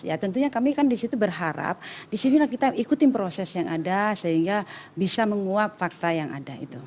ya tentunya kami kan disitu berharap disinilah kita ikutin proses yang ada sehingga bisa menguap fakta yang ada itu